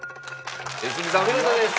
良純さんお見事です。